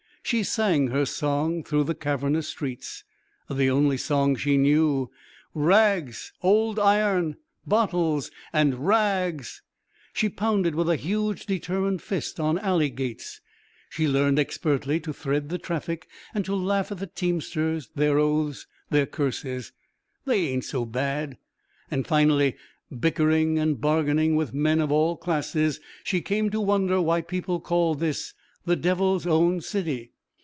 She sang her song through the cavernous streets, the only song she knew: "Rags, old iron, bottles, and ra ags." She pounded with a huge, determined fist on alley gates, she learned expertly to thread the traffic and to laugh at the teamsters, their oaths, their curses. "They ain't so bad." And, finally, bickering and bargaining with men of all classes, she came to wonder why people called this the Devil's Own city.